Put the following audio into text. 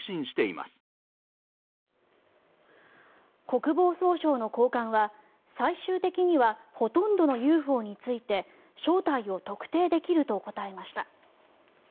国防総省の高官は最終的にはほとんどのＵＦＯについて正体を特定できると答えました。